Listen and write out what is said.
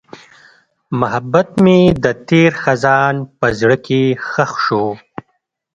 محبت مې د تېر خزان په زړه کې ښخ شو.